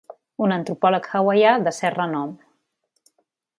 Un antropòleg hawaià de cert renom.